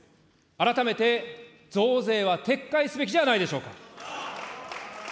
改めて増税は撤回すべきではないでしょうか。